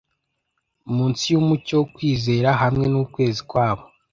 munsi yumucyo wo kwizera hamwe nukwezi kwabo